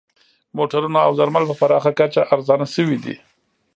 موټرونه او درمل په پراخه کچه ارزانه شوي دي